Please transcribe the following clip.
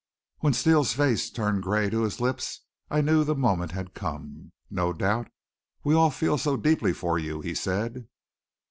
When Steele's face turned gray to his lips I knew the moment had come. "No doubt. We all feel so deeply for you," he said.